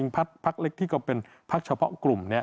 พักเล็กที่ก็เป็นพักเฉพาะกลุ่มนี้